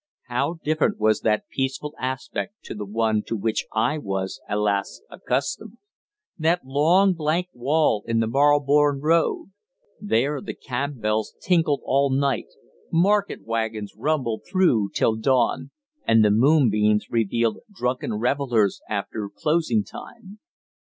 How different was that peaceful aspect to the one to which I was, alas! accustomed that long blank wall in the Marylebone Road. There the cab bells tinkled all night, market wagons rumbled through till dawn, and the moonbeams revealed drunken revellers after "closing time."